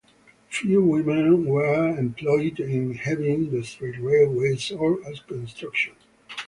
Few women were employed in heavy industry, railways or construction.